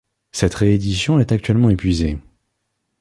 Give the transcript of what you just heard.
Cette réédition est actuellement épuisée.